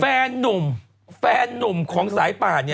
คือเอาง่ายแฟนนมของสายป่า